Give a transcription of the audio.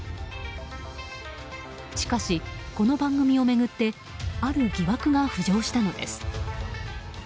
しかし、この番組を巡ってある疑惑が浮上したのです。